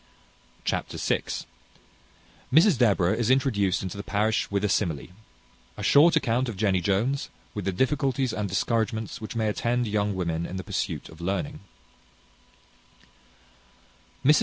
Chapter vi. Mrs Deborah is introduced into the parish with a simile. A short account of Jenny Jones, with the difficulties and discouragements which may attend young women in the pursuit of learning.